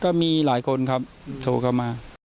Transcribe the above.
ก็มีหลายคนครับโทรเข้ามา